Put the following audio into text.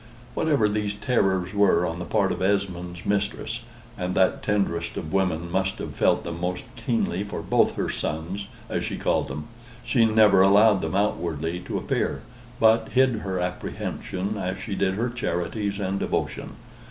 Whatever these terrors were on the part of Esmond's mistress, (and that tenderest of women must have felt them most keenly for both her sons, as she called them), she never allowed them outwardly to appear, but hid her apprehension, as she did her charities and devotion.